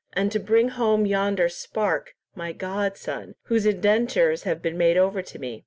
—and to bring home yonder spark, my godson, whose indentures have been made over to me.